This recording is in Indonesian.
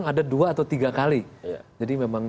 ada dua atau tiga kali jadi memang